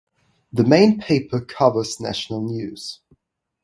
The main paper covers national news.